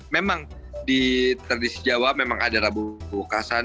memang di tradisi jawa memang ada rabu kukasan